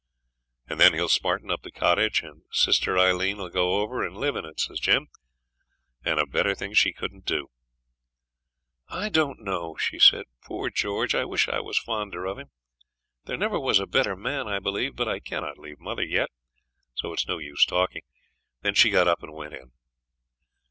'And then he'll smarten up the cottage, and sister Aileen 'll go over, and live in it,' says Jim; 'and a better thing she couldn't do.' 'I don't know,' she said. 'Poor George, I wish I was fonder of him. There never was a better man, I believe; but I cannot leave mother yet, so it's no use talking.' Then she got up and went in.